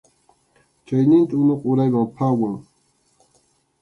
Chayninta unuqa urayman phawan.